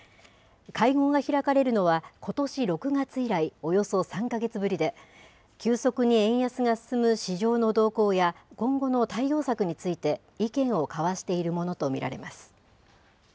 会合が開かれるのは、ことし６月以来およそ３か月ぶりで、急速に円安が進む市場の動向や、今後の対応策について意見を交わしているものと見られます。